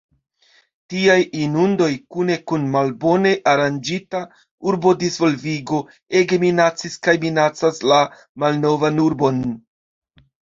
Tiaj inundoj kune kun malbone aranĝita urbodisvolvigo ege minacis kaj minacas la malnovan urbon.